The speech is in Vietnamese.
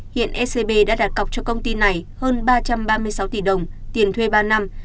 hiện ecb đã đạt cọc cho công ty này hơn ba trăm ba mươi sáu tỷ đồng tiền thuê ba năm